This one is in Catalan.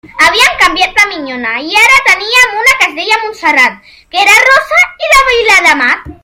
Havíem canviat de minyona i ara en teníem una que es deia Montserrat, que era rossa i de Vilademat.